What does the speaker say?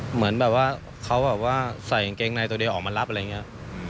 เหมือนแบบว่าเขาแบบว่าใส่กางเกงในตัวเดียวออกมารับอะไรอย่างนี้